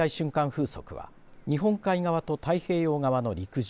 風速は日本海側と太平洋側の陸上